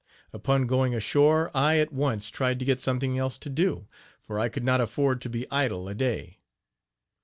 Upon going ashore, I at once tried to get something else to do, for I could not afford to be idle a day.